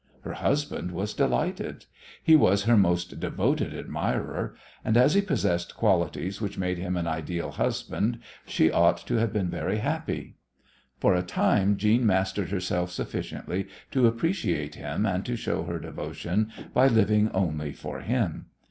Her husband was delighted. He was her most devoted admirer, and as he possessed qualities which made him an ideal husband she ought to have been very happy. For a time Jeanne mastered herself sufficiently to appreciate him and to show her devotion by living only for him.